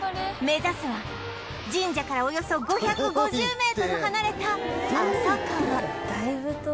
目指すは神社からおよそ５５０メートル離れた浅川